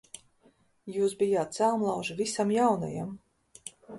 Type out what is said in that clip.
Jūs bijāt celmlauži visam jaunajam.